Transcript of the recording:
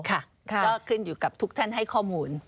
ก็ขึ้นอยู่กับทุกท่านให้ข้อมูล